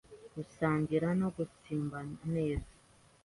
gusangira no umunsibana neza: